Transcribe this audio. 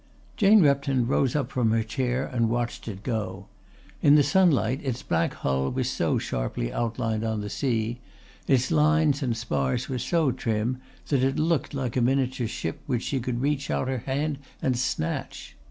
Jane Repton rose up from her chair and watched it go. In the sunlight its black hull was so sharply outlined on the sea, its lines and spars were so trim that it looked a miniature ship which she could reach out her hand and snatch.